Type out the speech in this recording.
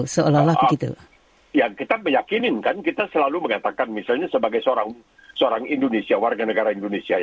ya kita meyakinkan kita selalu mengatakan misalnya sebagai seorang warga negara indonesia